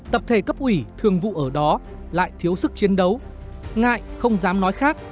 tập thể cấp ủy thường vụ ở đó lại thiếu sức chiến đấu ngại không dám nói khác